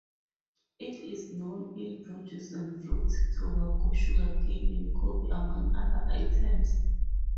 It is known in producing fruits, tobacco, sugar cane, and coffee among other items.